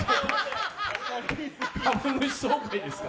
株主総会ですか？